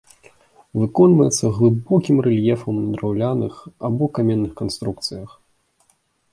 Выконваецца глыбокім рэльефам на драўляных або каменных канструкцыях.